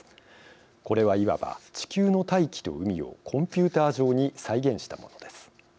これは言わば、地球の大気と海をコンピューター上に再現したものです。